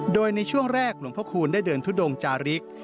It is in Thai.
โดยในช่วงแรกหลวงพระคูณได้เดินทุดงจาริก